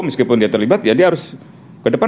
meskipun dia terlibat ya dia harus ke depan